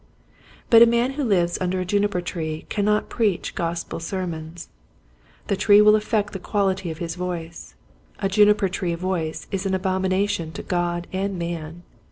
But a man who lives under a juniper tree cannot preach Gospel sermons. The tree will affect the quality of his voice. A juniper tree voice is an abomination to God and man.